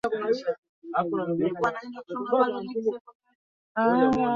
kwa sababu hawa bwana ocampo anasema hana ushahidi